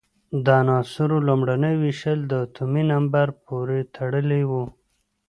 د عناصرو لومړنۍ وېشل د اتومي نمبر پورې تړلی وو.